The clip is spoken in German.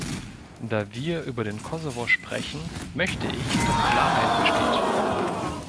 Da wir über den Kosovo sprechen, möchte ich, dass Klarheit besteht.